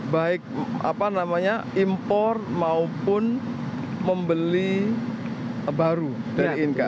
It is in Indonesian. baik impor maupun membeli baru dari inka